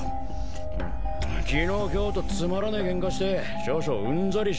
昨日今日とつまらねえケンカして少々うんざりしてんだ。